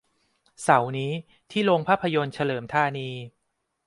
เสาร์นี้ที่โรงภาพยนตร์เฉลิมธานี